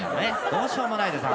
どうしようもないです。